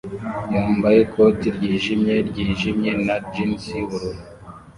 yambaye ikoti ryijimye ryijimye na jans yubururu